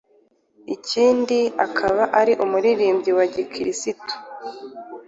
ikindi akaba ari umuririmbyi wa gikristu